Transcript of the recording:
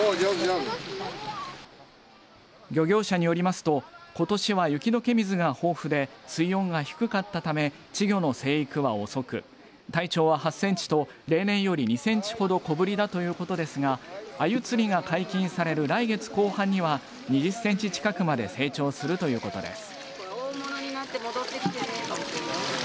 漁業者によりますとことしは雪どけ水が豊富で水温が低かったため稚魚の生育は遅く体長は８センチと例年より２センチほど小ぶりだということですがあゆ釣りが解禁される来月後半には２０センチ近くまで成長するということです。